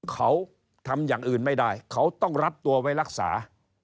เขาทำอย่างอื่นไม่ได้เขาต้องรับตัวไว้รักษา